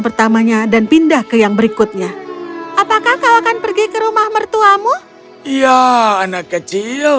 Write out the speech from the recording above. pertamanya dan pindah ke yang berikutnya apakah kau akan pergi ke rumah mertuamu iya anak kecil